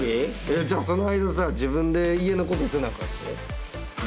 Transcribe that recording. じゃあその間さ自分で家のことせなあかんで。